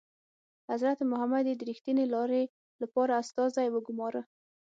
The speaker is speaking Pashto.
حضرت محمد یې د ریښتینې لارې لپاره استازی وګوماره.